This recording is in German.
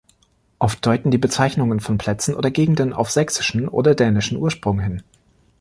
Oft deuten die Bezeichnungen von Plätzen oder Gegenden auf sächsischen oder dänischen Ursprung hin.